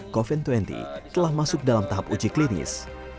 covid dua puluh telah masuk dalam tahap uji klinis